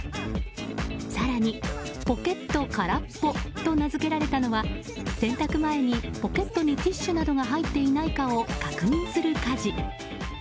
更に、ポケットからっぽと名付けられたのは洗濯前にポケットにティッシュなどが入っていないかを確認する家事。